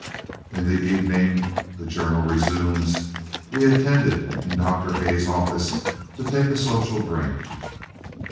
] In the evening [the journal resumes], we attended in Dr. Hay's office, to take a social drink.